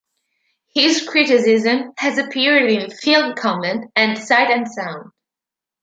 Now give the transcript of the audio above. His criticism has appeared in "Film Comment" and "Sight and Sound".